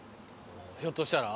ひょっとしたら？